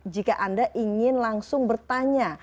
jika anda ingin langsung bertanya